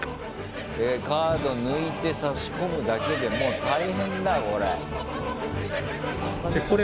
カード抜いて差し込むだけでもう大変だよこれ。